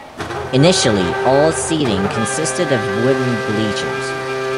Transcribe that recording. Initially, all seating consisted of wooden bleachers.